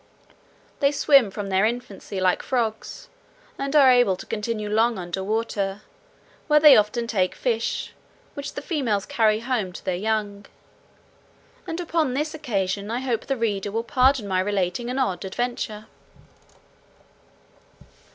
They swim from their infancy like frogs, and are able to continue long under water, where they often take fish, which the females carry home to their young. And, upon this occasion, I hope the reader will pardon my relating an odd adventure.